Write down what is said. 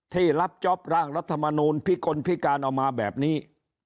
ที่รับจ๊อปร่างรัฐมนูลพิกลพิการเอามาแบบนี้